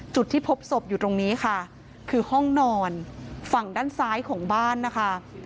จุดที่พบศพอยู่ตรงนี้ค่ะคือห้องนอนฝั่งด้านซ้ายของบ้านนะคะ